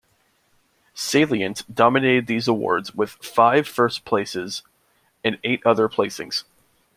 "Salient" dominated these awards with five first places and eight other placings.